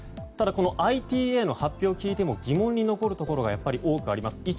ただこのＩＴＡの発表を聞いても疑問に残るところが多くあります。